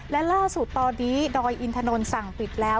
และล่าสุดตอนนี้ดอยอินทนนท์สั่งปิดแล้ว